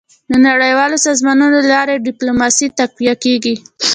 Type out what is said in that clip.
. د نړیوالو سازمانونو له لارې ډيپلوماسي تقویه کېږي.